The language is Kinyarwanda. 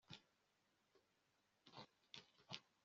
zumubiri wabo mu buryo buruhije